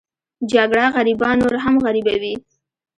جګړه غریبان نور هم غریبوي